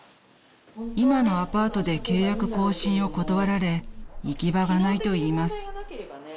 ［今のアパートで契約更新を断られ行き場がないと言います］